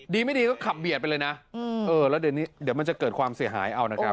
ไม่ดีก็ขับเบียดไปเลยนะแล้วเดี๋ยวนี้เดี๋ยวมันจะเกิดความเสียหายเอานะครับ